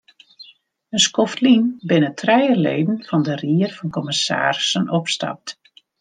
In skoft lyn binne trije leden fan de ried fan kommissarissen opstapt.